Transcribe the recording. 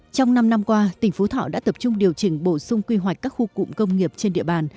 trong năm năm qua tỉnh phú thọ đã tập trung điều chỉnh bổ sung quy hoạch các khu cụm công nghiệp trên địa bàn